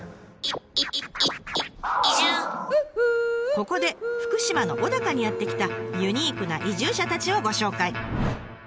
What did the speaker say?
ここで福島の小高にやって来たユニークな移住者たちをご紹介！